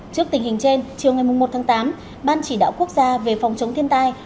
trước tình hình trên chiều ngày một tháng tám ban chỉ đạo quốc gia về phòng chống thiên tai